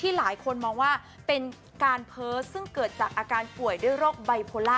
ที่หลายคนมองว่าเป็นการเพิ้ลซึ่งเกิดจากอาการป่วยได้โรคบัยโพลา